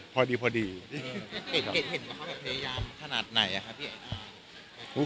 วันนี้รอวันนี้จบแล้วก็ยังไม่ได้รับ